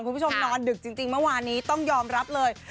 คุณผู้ชมนอนดึกจริงเมื่อวานนี้ต้องยอมรับเลย